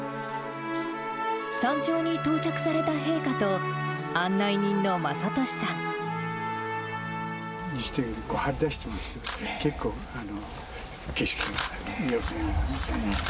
山頂に到着された陛下と、西天狗、張り出してますけどね、結構、景色がよく見えますね。